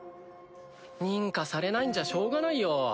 認可されないんじゃしょうがないよ。